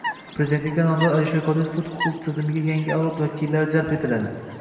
Prezidentlikka nomzod Alisher Qodirov “Sud-huquq tizimiga yangi avlod vakillari jalb etiladi”